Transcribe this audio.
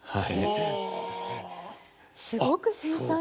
すごく繊細な。